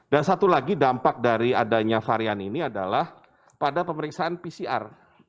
dan satu lagi dampak dari adanya varian ini adalah pada pemeriksaan pcr